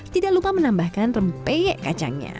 tidak lupa menambahkan rempeyek kacangnya